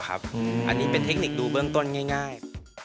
อันนี้เป็นเทคนิคดูเบื้องต้นง่าย